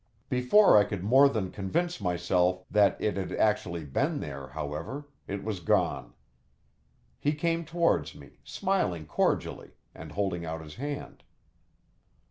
Before I could more than convince myself that it had actually been there, however, it was gone. He came towards me, smiling cordially, and holding out his hand.